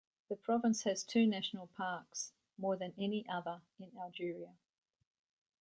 The province has two national parks, more than any other in Algeria.